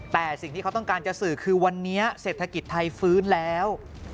แต่สิ่งที่เขาต้องการจะสื่อคือวันนี้เศรษฐกิจไทยฟื้นแล้ว